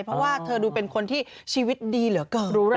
เพราะว่าเธอดูเป็นคนที่ชีวิตดีเหลือเกิน